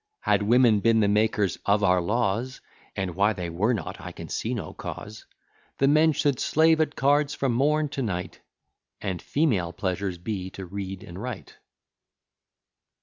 Had women been the makers of our laws, (And why they were not, I can see no cause,) The men should slave at cards from morn to night And female pleasures be to read and write.